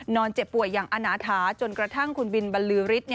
นอนเจ็บป่วยอย่างอณาฐาจนกระทั่งคุณบิลบรรลือริสต์